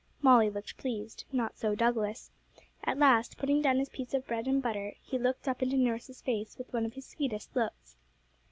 Molly looked pleased, not so Douglas. At last, putting down his piece of bread and butter, he looked up into nurse's face with one of his sweetest looks.